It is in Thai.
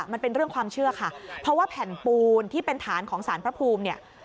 มันเป็นเรื่องความเชื่อค่ะเพราะว่าแผ่นปูนที่เป็นฐานของสารพระภูมิเนี่ย